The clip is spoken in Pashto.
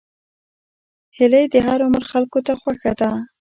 هیلۍ د هر عمر خلکو ته خوښه ده